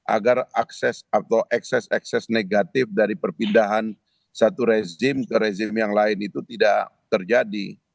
agar akses atau ekses ekses negatif dari perpindahan satu rezim ke rezim yang lain itu tidak terjadi